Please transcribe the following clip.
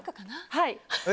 はい。